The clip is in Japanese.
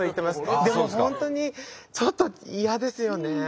でも本当にちょっと嫌ですよね。